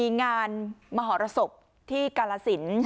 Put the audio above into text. มีงานมหรสบที่กาลสิน